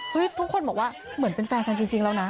ทุกคนบอกว่าเหมือนเป็นแฟนกันจริงแล้วนะ